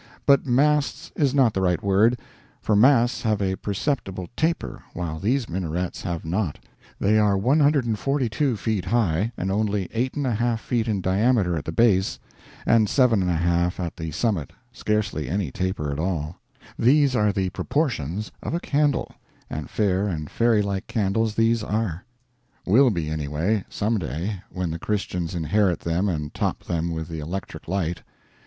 But masts is not the right word, for masts have a perceptible taper, while these minarets have not. They are 142 feet high, and only 8 1/2 feet in diameter at the base, and 7 1/2 at the summit scarcely any taper at all. These are the proportions of a candle; and fair and fairylike candles these are. Will be, anyway, some day, when the Christians inherit them and top them with the electric light.